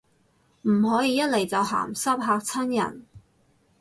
唔可以一嚟就鹹濕，嚇親人